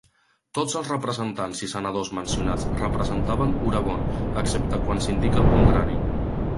Tots els representants i senadors mencionats representaven Oregon, excepte quan s'indica el contrari.